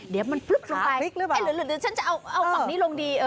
เดี๋ยวมันพลึบลงไปหรือฉันจะเอาฝั่งนี้ลงดี